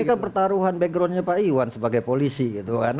ini pertarungan backgroundnya pak iwan sebagai polisi gitu kan